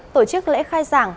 tổ chức lễ khai giảng